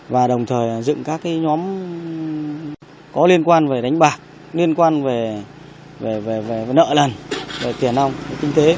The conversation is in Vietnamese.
và đồng thời dựng các nhóm có liên quan về đánh bạc liên quan về nợ lần về tiền ong về kinh tế